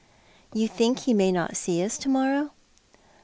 "You think he may not see us to morrow?